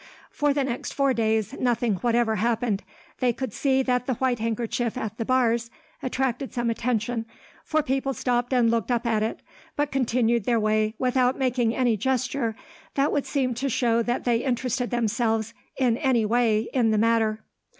For the next four days, nothing whatever happened. They could see that the white handkerchief at the bars attracted some attention, for people stopped and looked up at it, but continued their way without making any gesture that would seem to show that they interested themselves, in any way, in the matter.